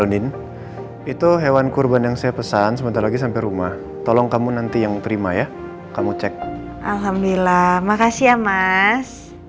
halo nien itu hewan kurban yang saya pesan sebentar lagi sampai rumah tolong kamu nanti yang terima ya kamu cek alhamdulillah makasih ya mas